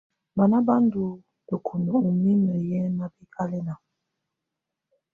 Banà bà ndù tǝkunǝ ù mimǝ yɛ̀ mabɛkalɛna.